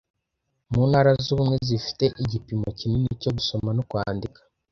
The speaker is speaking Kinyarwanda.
Mu Ntara z’Ubumwe zifite igipimo kinini cyo gusoma no kwandika